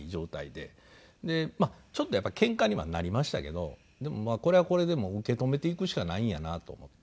でちょっとやっぱりケンカにはなりましたけどでもまあこれはこれで受け止めていくしかないんやなと思って。